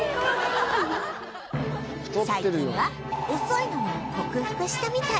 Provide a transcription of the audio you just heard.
最近は遅いのは克服したみたい